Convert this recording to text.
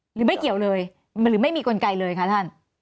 หรือไม่เกี่ยวเลยหรือไม่มีกลไกเลยคะท่าน